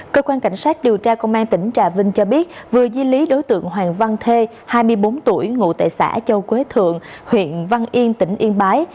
cơ quan cảnh sát điều tra công an tỉnh trà vinh cho biết vừa di lý đối tượng hoàng văn thê hai mươi bốn tuổi ngụ tại xã châu quế thượng huyện văn yên tỉnh yên bái